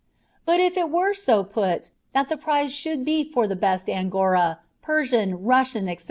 But if it were so put that the prize should be for the best Angora, Persian, Russian, etc.